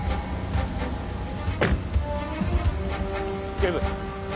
・警部！